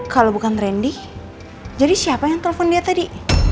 kalau bukan trendy jadi siapa yang telpon dia tadi